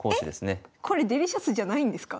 えっ⁉これデリシャスじゃないんですか？